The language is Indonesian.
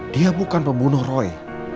dia bukan pembunuh roy